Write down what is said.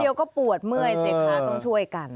ก็ปวดเมื่อยสิคะต้องช่วยกัน